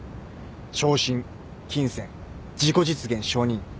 昇進金銭自己実現承認。